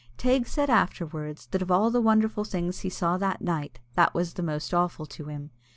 Teig said afterwards, that of all the wonderful things he saw that night, that was the most awful to him.